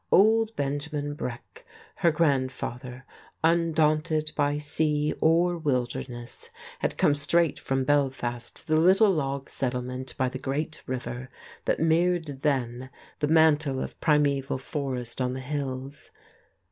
Old Benjamin Breck, her grandfather, undaunted by sea or wilderness, had come straight from Belfast to the little log settlement by the great river that mirrored then the mantle of primeval forest on the hills.